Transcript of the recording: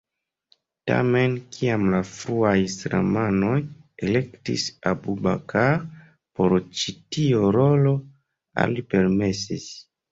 Tamen kiam la fruaj islamanoj elektis Abu Bakr por ĉi tio rolo, Ali permesis.